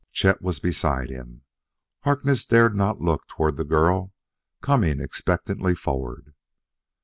Chet was beside him; Harkness dared not look toward the girl coming expectantly forward.